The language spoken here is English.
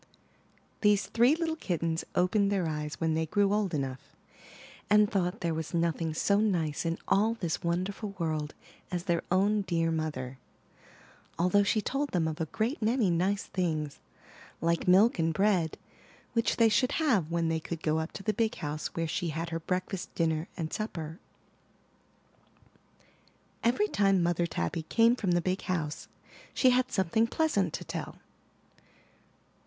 These three little kittens opened their eyes when they grew old enough, and thought there was nothing so nice in all this wonderful world as their own dear mother, although she told them of a great many nice things, like milk and bread, which they should have when they could go up to the big house where she had her breakfast, dinner, and supper. Every time Mother Tabby came from the big house she had something pleasant to tell.